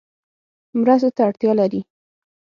مرستو ته اړتیا لري